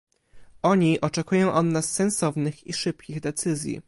Oni oczekują od nas sensownych i szybkich decyzji